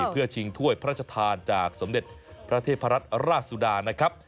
เพื่อชิงถ้วยพระราชทานจากสมเด็จพระเทพรัตนราชสุดานะครับ